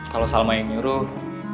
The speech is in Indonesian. kalo salma yang nyuruh